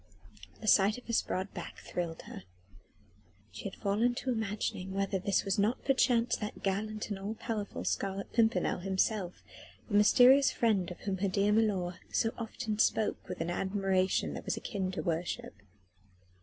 The sight of his broad back thrilled her. She had fallen to imagining whether this was not perchance that gallant and all powerful Scarlet Pimpernel himself: the mysterious friend of whom her dear milor so often spoke with an admiration that was akin to worship.